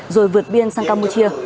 rồi vượt biên sang campuchia